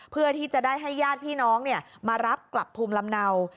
เพื่อที่จะได้ให้ญาติพี่น้องมารับกลับภูมิลำเนา